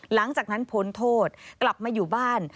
หลังจากนั้นพ้นโทษกลับมาอยู่บ้าน